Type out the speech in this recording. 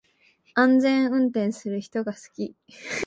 安全運転する人が好き